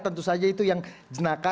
tentu saja itu yang jenaka